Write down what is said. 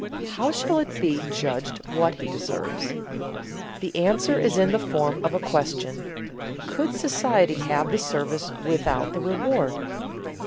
How shall it be judged what he deserves? The answer is in the form of a question, Could society have the service without the reward?